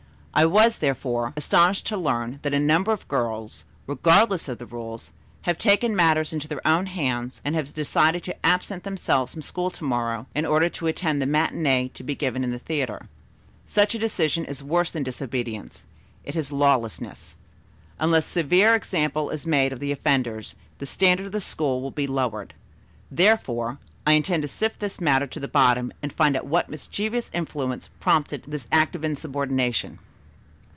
I was, therefore, astonished to learn that a number of girls, regardless of rules, have taken matters into their own hands and have decided to absent themselves from school to morrow in order to attend the matinée to be given in the theatre. Such a decision is worse than disobedience it is lawlessness. Unless a severe example is made of the offenders, the standard of the school will be lowered. Therefore, I intend to sift this matter to the bottom and find out what mischievous influence prompted this act of insubordination.